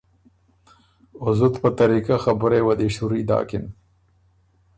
او زُت په طریقۀ خبُرئ یه وه دی شُوري داکِن،